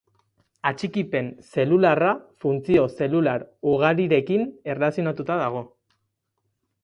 Atxikipen zelularra funtzio zelular ugarirekin erlazionatuta dago.